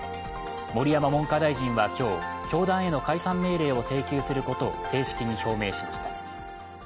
盛山文科大臣は今日、教団への解散命令を請求する方針を正式に表明しました。